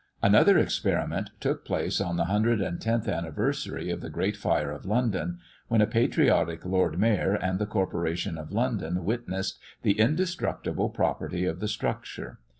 Another experiment took place on the 110th anniversary of the great fire of London, when a patriotic lord mayor and the corporation of London witnessed the indestructible property of the structure.